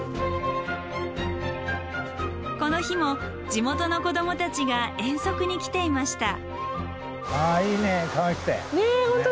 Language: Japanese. この日も地元の子どもたちが遠足に来ていました。